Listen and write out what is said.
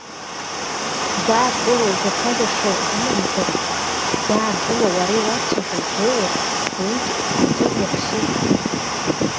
Гәаартыла узацәажәаша думамзаргьы, гәаартыла уара иуацәажәо дуоур, уигьы акыр иаԥсоуп.